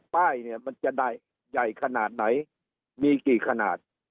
ป้ายเนี่ยมันจะได้ใหญ่ขนาดไหนมีกี่ขนาด